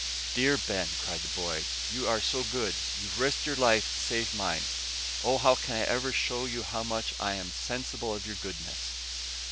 "Dear Ben," cried the boy, "you are so good, you've risked your life to save mine. Oh! how can I ever show you how much I am sensible of your goodness?"